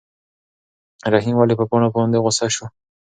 رحیم ولې په پاڼه باندې غوسه شو؟